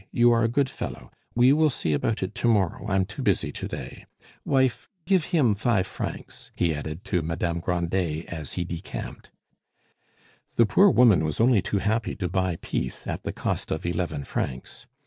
You are a good fellow; we will see about it to morrow, I'm too busy to day. Wife, give him five francs," he added to Madame Grandet as he decamped. The poor woman was only too happy to buy peace at the cost of eleven francs.